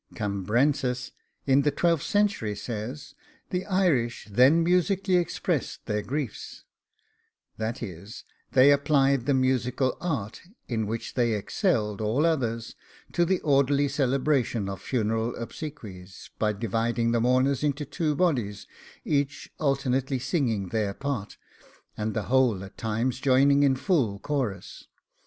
.... 'Cambrensis in the twelfth century says, the Irish then musically expressed their griefs; that is, they applied the musical art, in which they excelled all others, to the orderly celebration of funeral obsequies, by dividing the mourners into two bodies, each alternately singing their part, and the whole at times joining in full chorus.